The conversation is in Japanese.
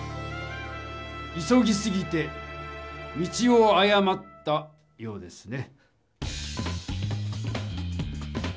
急ぎすぎて道をあやまったようですね。